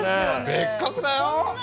別格だよ？